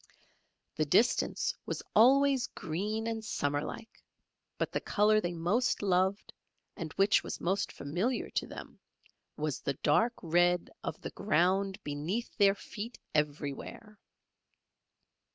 The distance was always green and summer like, but the colour they most loved, and which was most familiar to them, was the dark red of the ground beneath their feet everywhere.